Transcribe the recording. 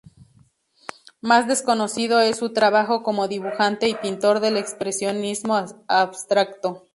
Más desconocido es su trabajo como dibujante y pintor del expresionismo abstracto.